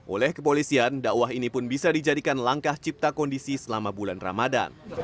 oleh kepolisian dakwah ini pun bisa dijadikan langkah cipta kondisi selama bulan ramadan